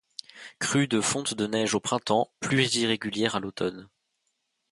Crues de fonte de neige au printemps, plus irrégulières à l’automne.